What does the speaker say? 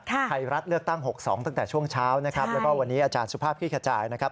ไทยรัฐเลือกตั้ง๖๒ตั้งแต่ช่วงเช้านะครับแล้วก็วันนี้อาจารย์สุภาพคลี่ขจายนะครับ